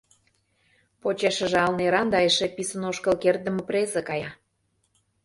Почешыже ал неран да эше писын ошкыл кертдыме презе кая.